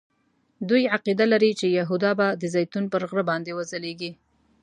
دوی عقیده لري چې یهودا به د زیتون پر غره باندې وځلیږي.